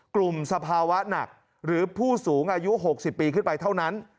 สภาวะหนักหรือผู้สูงอายุ๖๐ปีขึ้นไปเท่านั้น